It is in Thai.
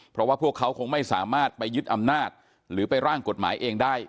เพราะว่าพวกเขาคงไม่สามารถไปยึดอำนาจหรือไปร่างกฎหมายเองได้